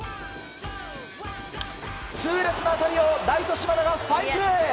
痛烈な当たりをライト島田がファインプレー。